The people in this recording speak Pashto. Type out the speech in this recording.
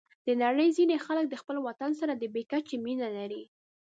د نړۍ ځینې خلک د خپل وطن سره بې کچې مینه لري.